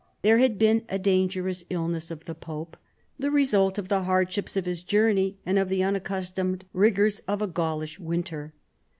There had been a dangerous illness of the pope, the result of the hardships of his journey and of the unaccustomed rigors of a Gaulish winter.